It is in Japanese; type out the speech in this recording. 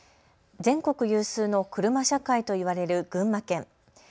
全国有数の車社会といわれる群馬県。